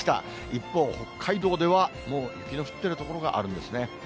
一方、北海道では、もう雪の降っている所があるんですね。